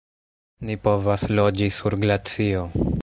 "Ni povas loĝi sur glacio!"